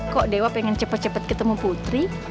kok dewa pengen cepet cepet ketemu putri